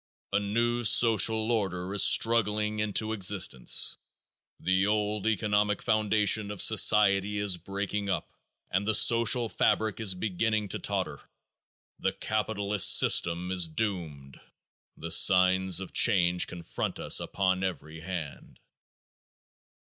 A new social order is struggling into existence. The old economic foundation of society is breaking up and the social fabric is beginning to totter. The capitalist system is doomed. The signs of change confront us upon every hand.